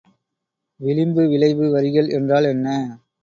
விளிம்பு விளைவு வரிகள் என்றால் என்ன?